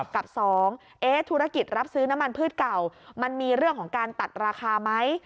กับ๒ธุรกิจรับซื้อน้ำมันพืชเก่ามันมีเรื่องของการตัดราคาไหม